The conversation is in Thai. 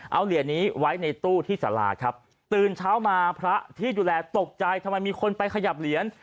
เอาเหรียญนี้ไว้ในตู้ที่สาราครับตื่นเช้ามาพระที่ดูแลตกใจทำไมมีคนไปขยับเหรียญ